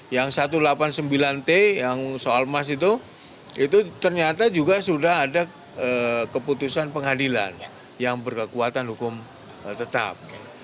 yang satu ratus delapan puluh sembilan t yang soal emas itu itu ternyata juga sudah ada keputusan pengadilan yang berkekuatan hukum tetap